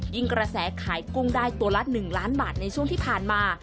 กระแสขายกุ้งได้ตัวละ๑ล้านบาทในช่วงที่ผ่านมา